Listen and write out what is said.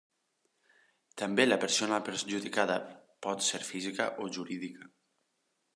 També la persona perjudicada pot ser física o jurídica.